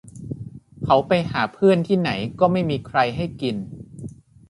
เขาไปหาเพื่อนที่ไหนก็ไม่มีใครให้กิน